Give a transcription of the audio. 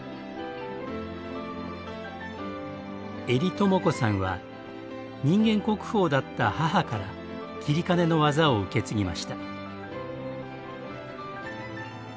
江里朋子さんは人間国宝だった母から截金の技を受け継ぎました。